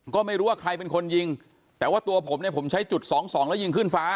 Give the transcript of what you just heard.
ก็ไม่รู้ว่าใครเป็นคนยิงแต่ว่าตัวผมเนี่ยผมใช้จุดสองสองแล้วยิงขึ้นฟ้า